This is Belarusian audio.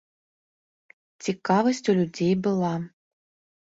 Цікавасць у людзей была.